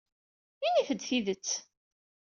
Init-d tidet.